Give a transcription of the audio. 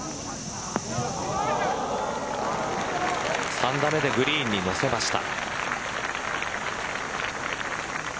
３打目でグリーンに乗せました。